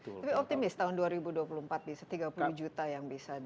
tapi optimis tahun dua ribu dua puluh empat bisa tiga puluh juta yang bisa di